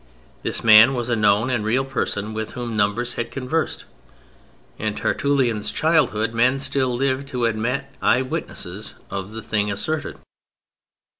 This Man was a known and real person with whom numbers had conversed. In Tertullian's childhood men still lived who had met eye witnesses of the thing asserted.